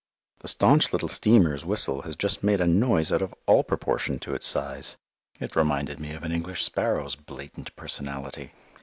The "staunch little steamer's" whistle has just made a noise out of all proportion to its size. It reminded me of an English sparrow's blatant personality.